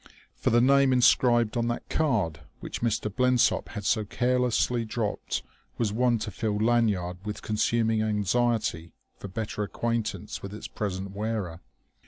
For the name inscribed on that card which Mr. Blensop had so carelessly dropped was one to fill Lanyard with consuming anxiety for better acquaintance with its present wearer.